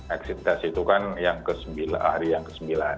exit test itu kan yang ke sembilan